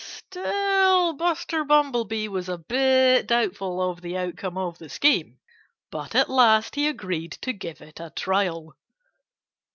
Still Buster Bumblebee was a bit doubtful of the outcome of the scheme. But at last he agreed to give it a trial.